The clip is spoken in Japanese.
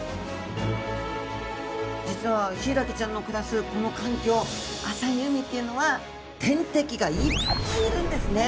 実はヒイラギちゃんの暮らすこの環境浅い海っていうのは天敵がいっぱいいるんですね。